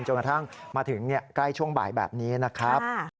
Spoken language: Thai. กระทั่งมาถึงใกล้ช่วงบ่ายแบบนี้นะครับ